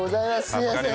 すいません。